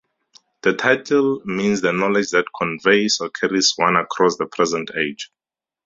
The title means the knowledge that conveys or carries one across the present age.